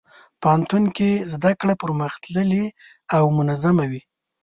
پوهنتون کې زدهکړه پرمختللې او منظمه وي.